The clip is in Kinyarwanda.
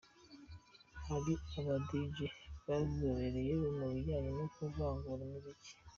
Hari aba Dj bazobereye mu bijyanye no kuvangavanga imiziki .